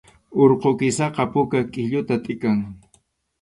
Urqu kisaqa puka qʼilluta tʼikan